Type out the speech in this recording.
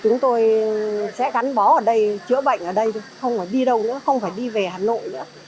chúng tôi sẽ gắn bó ở đây chữa bệnh ở đây không phải đi đâu nữa không phải đi về hà nội nữa